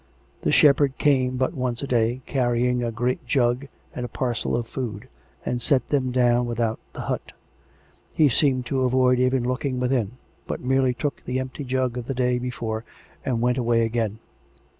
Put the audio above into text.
The shepherd came but once a day, carrying a great jug and a parcel of food, and set them down without the hut; he seemed to avoid even looking within; but merely took the empty jug of the day before and went away again.